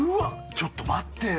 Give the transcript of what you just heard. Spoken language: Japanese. ちょっと待ってよ！